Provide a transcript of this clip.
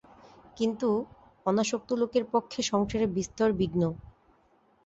কিন্তু, অনাসক্ত লোকের পক্ষে সংসারে বিস্তর বিঘ্ন।